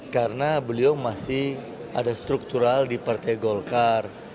karena beliau masih ada struktural di partai golkar